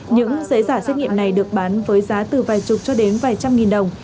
những giấy giả xét nghiệm này được bán với giá từ vài chục cho đến vài trăm nghìn đồng